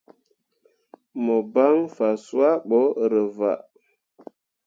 Mo ban fa cuah bo rǝwaa.